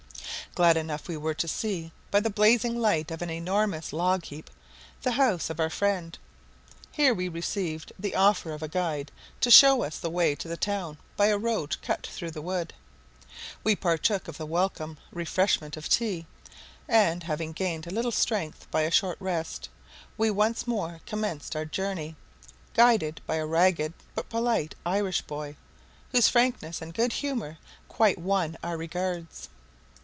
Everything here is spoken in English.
Glad enough we were to see, by the blazing light of an enormous log heap, the house of our friend. Here we received the offer of a guide to show us the way to the town by a road cut through the wood. We partook of the welcome refreshment of tea, and, having gained a little strength by a short rest, we once more commenced our journey, guided by a ragged, but polite, Irish boy, whose frankness and good humour quite won our regards.